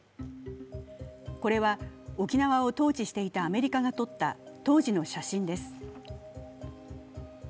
これは、沖縄を統治していたアメリカが撮った当時の写真です。